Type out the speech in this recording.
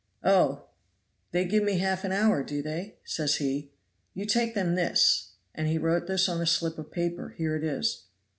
"'Oh, they give me half an hour, do they?' says he 'you take them this' and he wrote this on a slip of paper here it is."